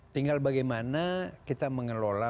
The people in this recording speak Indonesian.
tinggal bagaimana kita mengelola